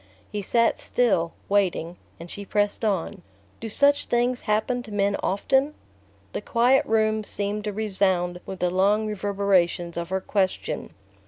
He sat still, waiting, and she pressed on: "Do such things happen to men often?" The quiet room seemed to resound with the long reverberations of her question.